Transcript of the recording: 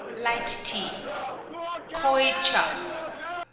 . Light Tea Koi châ